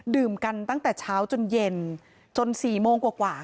ดื่มกันตั้งแต่เช้าจนเย็นจน๔โมงกว่า